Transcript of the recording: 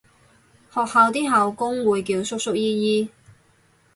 學校啲校工會叫叔叔姨姨